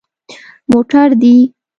_موټر دي؟